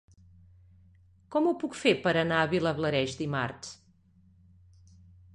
Com ho puc fer per anar a Vilablareix dimarts?